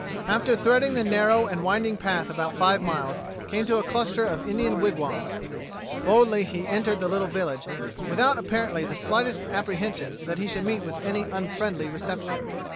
After threading the narrow and winding path about five miles, he came to a cluster of Indian wigwams. Boldly he entered the little village, without apparently the slightest apprehension that he should meet with any unfriendly reception.